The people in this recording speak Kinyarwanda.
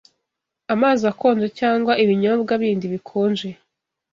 Amazi akonje cyangwa ibinyobwa bindi bikonje